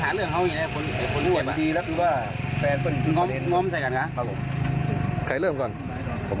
ท่านดูเหตุการณ์ก่อนนะครับ